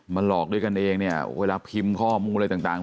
หลอกด้วยกันเองเนี่ยเวลาพิมพ์ข้อมูลอะไรต่าง